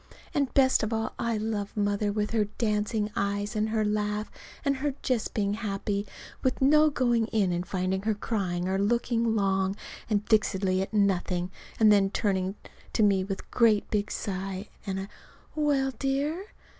And best of all I love Mother with her dancing eyes and her laugh, and her just being happy, with no going in and finding her crying or looking long and fixedly at nothing, and then turning to me with a great big sigh, and a "Well, dear?"